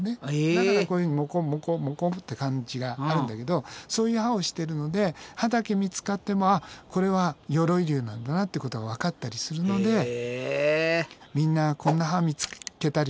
だからこういうふうにモコモコモコって感じがあるんだけどそういう歯をしてるので歯だけ見つかってもこれは鎧竜なんだなっていうことがわかったりするのでみんなこんな歯見つけたりしたらね